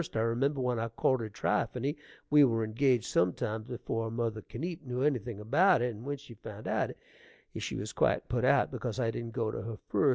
I remember when I courted Trypheny we were engaged some time before mother Kenipe knew anything about it, and when she found it out she was quite put out because I didn't go to her first.